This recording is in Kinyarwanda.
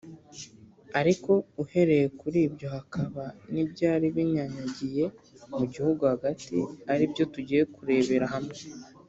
ariko uhereye kuri ibyo hakaba n’ibyari binyanyagiye mu gihugu hagati ari byo tugiye kurebera hamwe